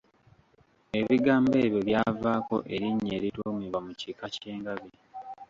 Ebigambo ebyo byavaako erinnya erituumibwa mu kika ky’engabi.